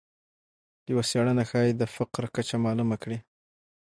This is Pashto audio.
یوه څېړنه ښایي د فقر کچه معلومه کړي.